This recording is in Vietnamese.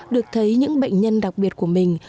được thấy những bệnh nhân đặc biệt của mình